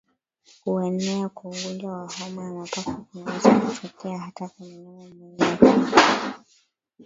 Kuenea kwa ugonjwa wa homa ya mapafu kunaweza kutokea hata kwa mnyama mwenye afya